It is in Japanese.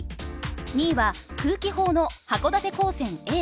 ２位は空気砲の函館高専Ａ。